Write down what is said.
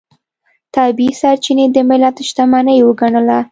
طبیعي سرچینې د ملت شتمنۍ وګڼله.